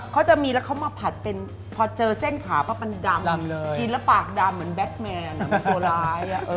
เขาจะมีแล้วเขามาผัดเป็นพอเจอเส้นขาปั๊บมันดำเลยกินแล้วปากดำเหมือนแก๊กแมนตัวร้าย